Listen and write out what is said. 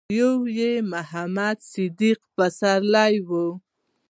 يو يې محمد صديق پسرلی و.